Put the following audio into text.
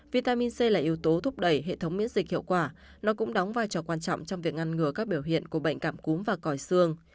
vitamin c là yếu tố thúc đẩy hệ thống miễn dịch hiệu quả nó cũng đóng vai trò quan trọng trong việc ngăn ngừa các biểu hiện của bệnh cảm cúm và còi xương